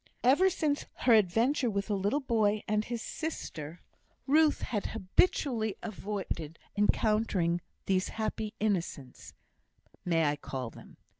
Ever since her adventure with the little boy and his sister, Ruth had habitually avoided encountering these happy innocents, may I call them?